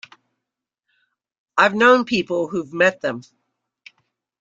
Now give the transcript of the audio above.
I've known people who've met them.